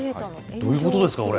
どういうことですか、これ。